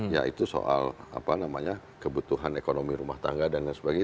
yaitu soal kebutuhan ekonomi rumah tangga dan lain sebagainya